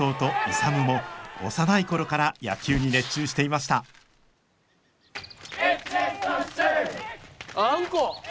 勇も幼い頃から野球に熱中していましたあんこ。